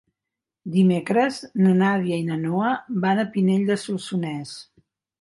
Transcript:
Dimecres na Nàdia i na Noa van a Pinell de Solsonès.